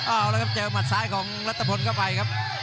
อ้าวละครับเจอมัดซ้ายของรัตธพลก็ไปครับ